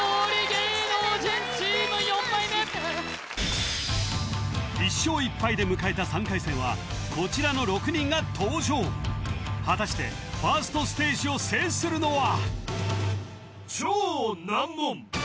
芸能人チーム４枚目１勝１敗で迎えた３回戦はこちらの６人が登場果たしてファーストステージを制するのは？